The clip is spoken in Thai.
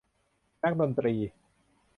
นักดนตรี